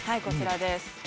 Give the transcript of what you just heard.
こちらです。